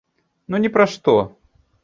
Ну, ні пра што.